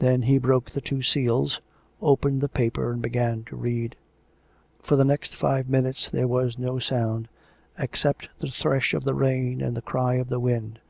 Then he broke the two seals, opened the paper and began to read. For the next five minutes there was no sound, except the thresh of the rain and the cry of the wind.